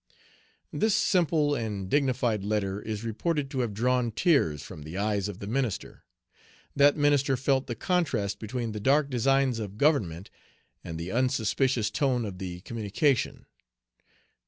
This simple and dignified letter is reported to have drawn tears from the eyes of the minister. That minister felt the contrast between the dark designs of Government and the unsuspicious tone of the communication.